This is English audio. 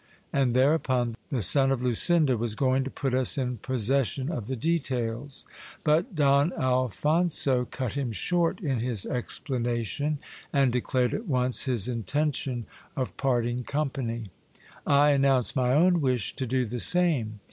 And thereupon the son of Lucinda was going to put us in possession of the details ; but Don Alphonso cut DOS' ALPHOXSO ACKNOWLEDGED BY HIS FATHER. 219 him short in his explanation, and declared at once his intention of parting com pany. I announced my own wish to do the same.